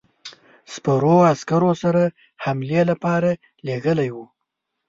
سپرو عسکرو سره حملې لپاره لېږلی وو.